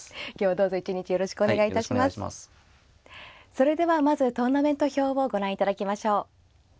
それではまずトーナメント表をご覧いただきましょう。